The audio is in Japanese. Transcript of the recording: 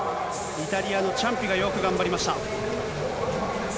イタリアのチャンピがよく頑張りました。